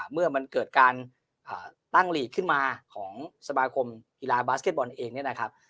เมื่อมันเกิดการตั้งหลีกขึ้นมาของสมาคมกีฬาบาสเก็ตบอลเองเนี่ยนะครับ